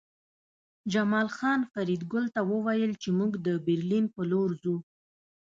جمال خان فریدګل ته وویل چې موږ د برلین په لور ځو